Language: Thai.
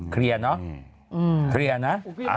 เคลียร์เนอะ